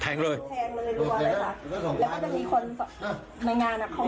แทงเลยรวมเลยค่ะ